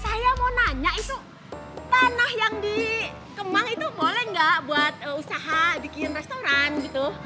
saya mau nanya itu tanah yang di kemang itu boleh nggak buat usaha bikin restoran gitu